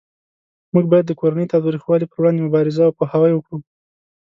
موږ باید د کورنۍ تاوتریخوالی پروړاندې مبارزه او پوهاوی وکړو